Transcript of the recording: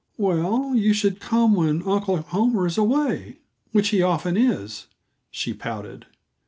"Well, you could come when Uncle Homer is away which he often is," she pouted.